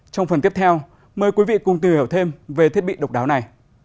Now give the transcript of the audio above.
trong phần tiếp theo mời quý vị cùng tìm hiểu thêm về thiết bị độc đáo này